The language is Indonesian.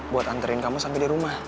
buat nganterin kamu sampe di rumah